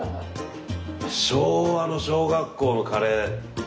昭和の小学校のカレー。